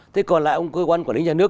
thế còn lại ông cơ quan quản lý nhà nước